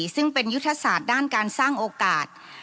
ซึ่งเป็นยุทธศาสตร์ด้านการสร้างโอกาส